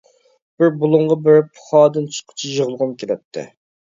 بىر بۇلۇڭغا بېرىپ پۇخادىن چىققۇچە يىغلىغۇم كېلەتتى.